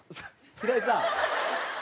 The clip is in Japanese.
平井さん。